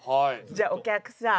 じゃあお客さん